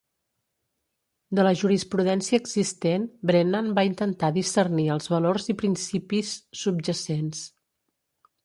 De la jurisprudència existent, Brennan va intentar discernir els valors i principis subjacents.